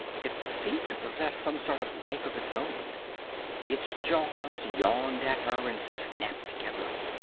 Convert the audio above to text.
It seemed to possess some sort of life of its own. Its jaws yawned at her and snapped together.